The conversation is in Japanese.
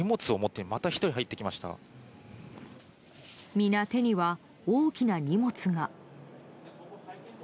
皆、手には大きな荷物が。